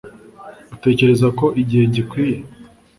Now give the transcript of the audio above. Utekereza ko igihe gikwiye